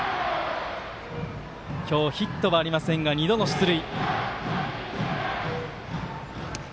今日ヒットはありませんが二度の出塁。